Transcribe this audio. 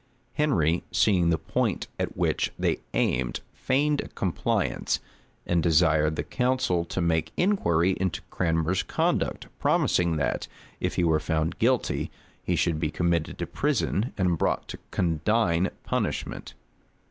Henry, seeing the point at which they aimed, feigned a compliance, and desired the council to make inquiry into Cranmer's conduct; promising that, if he were found guilty, he should be committed to prison, and brought to condign punishment.